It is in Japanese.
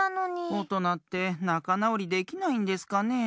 おとなってなかなおりできないんですかねえ。